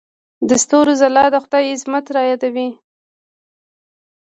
د ستورو ځلا د خدای عظمت رايادوي.